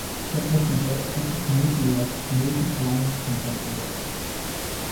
Stattdessen wurde er durch das "Multi Lots Multi Clients"-Konzept ersetzt.